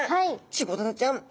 チゴダラちゃん